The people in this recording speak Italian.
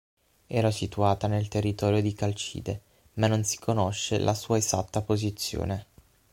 Era situata nel territorio di Calcide, ma non si conosce la sua esatta posizione.